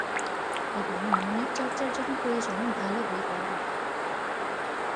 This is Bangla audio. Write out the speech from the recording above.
এবং মনের চর্চার জন্য প্রয়োজন ভালো বই পড়া।